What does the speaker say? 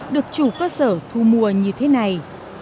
được chủ cơ sở thu mùa như thế này